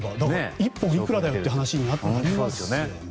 １本いくらだよという話になりますよね。